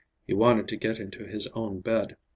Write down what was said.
He wanted to get into his own bed.